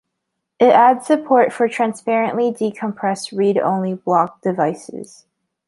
It adds support for transparently decompressed, read-only block devices.